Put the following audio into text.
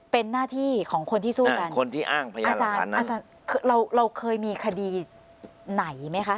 เป็นหน้าที่ของคนที่สู้กันอาจารย์เราเคยมีคดีไหนไหมคะ